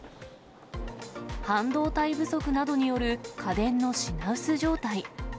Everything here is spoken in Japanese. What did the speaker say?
半導体不足などによる家電の品薄状態。